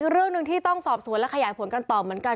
เรื่องหนึ่งที่ต้องสอบสวนและขยายผลกันต่อเหมือนกัน